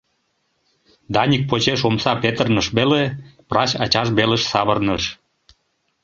Даник почеш омса петырныш веле, врач ачаж велыш савырныш.